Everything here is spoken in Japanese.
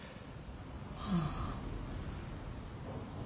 ああ。